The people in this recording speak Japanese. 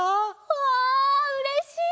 わうれしい！